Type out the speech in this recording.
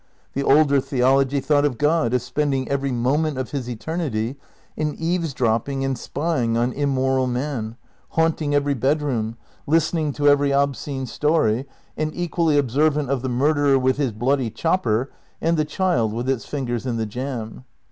The older theology thought of God as spending every moment of his eternity in eaves drop ping and spying on immoral man, haunting every bed XI EECONSTEUCTION OF IDEALISM 305 room, listening to every obscene story, and equally ob servant of the murderer with his bloody chopper and the child with its fingers in the jam.